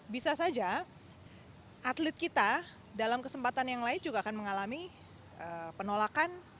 bisa saja atlet kita dalam kesempatan yang lain juga akan mengalami penolakan